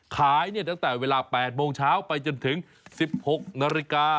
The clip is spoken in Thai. ขายตั้งแต่เวลา๘โมงเช้าไปจนถึง๑๖นาฬิกา